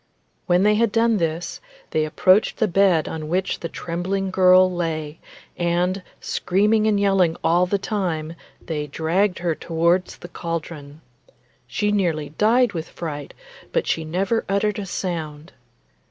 When they had done this, they approached the bed on which the trembling girl lay, and, screaming and yelling all the time, they dragged her towards the cauldron. She nearly died with fright, but she never uttered a sound.